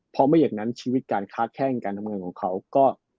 เพราะไม่อย่างนั้นชีวิตการค้าแข้งการทำงานของเขาก็